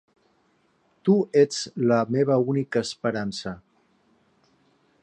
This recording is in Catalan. Tu ets la meva única esperança.